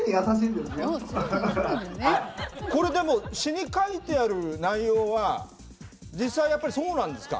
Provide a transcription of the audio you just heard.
これでも詞に書いてある内容は実際やっぱりそうなんですか？